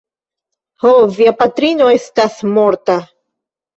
Ho, via patrino estas morta.